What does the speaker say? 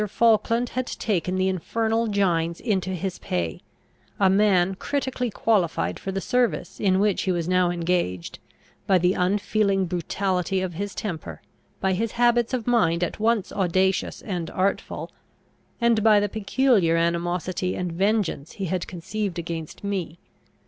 Falkland had taken the infernal Gines into his pay, a man critically qualified for the service in which he was now engaged, by the unfeeling brutality of his temper, by his habits of mind at once audacious and artful, and by the peculiar animosity and vengeance he had conceived against me.